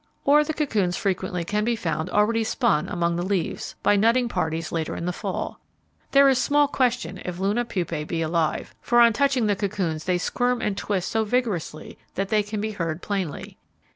Or the cocoons frequently can be found already spun among the leaves, by nutting parties later in the fall. There is small question if Luna pupae be alive, for on touching the cocoons they squirm and twist so vigorously that they can be heard plainly.